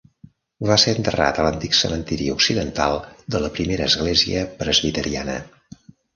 Va ser enterrat a l'antic cementiri occidental de la Primera Església Presbiteriana.